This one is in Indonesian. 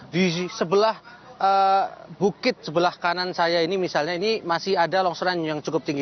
di sebelah bukit sebelah kanan saya ini misalnya ini masih ada longsoran yang cukup tinggi